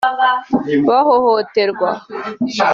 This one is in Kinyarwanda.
bahohoterwa